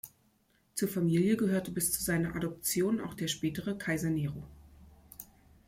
Zur Familie gehörte bis zu seiner Adoption auch der spätere Kaiser Nero.